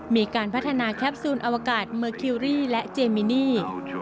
มีการพัฒนาแคปซูลอวกาศเมอร์คิวรี่และเจมินี